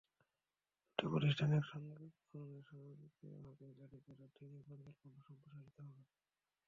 দুটি প্রতিষ্ঠান একসঙ্গে যুক্ত হলে স্বয়ংক্রিয়ভাবেই গাড়ির প্রযুক্তি নিয়ে পরিকল্পনা সম্প্রসারিত হবে।